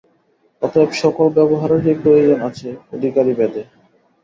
অতএব সকল ব্যবহারেরই প্রয়োজন আছে অধিকারিভেদে।